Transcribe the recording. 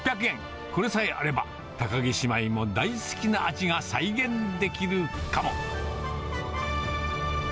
これさえあれば、高木姉妹も大好きな味が再現できるかも。